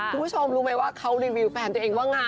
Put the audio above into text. คุณผู้ชมรู้ไหมว่าเขารีวิวแฟนตัวเองว่าไง